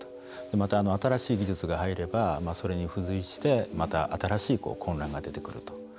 また新しい技術が入れば、それに付随してまた新しい混乱が出てくると。